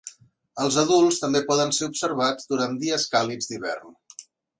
Els adults també poden ser observats durant dies càlids d'hivern.